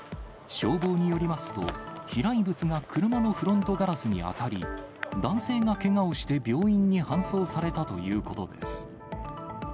消防によりますと、飛来物が車のフロントガラスに当たり、男性がけがをして病院に搬送されたということです。